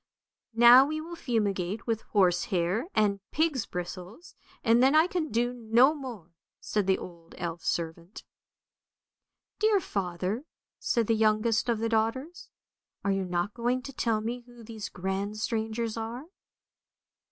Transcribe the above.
" Now we will fumigate with horse hair and pig's bristles, and then I can do no more! " said the old elf servant. " Dear father! " said the youngest of the daughters, " are you not going to tell me who these grand strangers are?